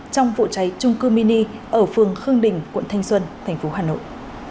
trong vụ cháy trung cư mini ở phường khương đình quận thanh xuân thành phố hà nội